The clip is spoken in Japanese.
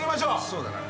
そうだな。